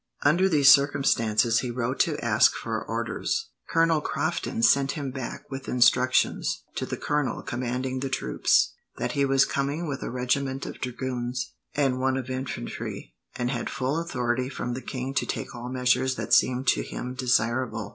Under these circumstances he wrote to ask for orders. Colonel Crofton sent him back with instructions, to the colonel commanding the troops, that he was coming with a regiment of dragoons and one of infantry, and had full authority from the king to take all measures that seemed to him desirable.